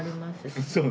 そうね。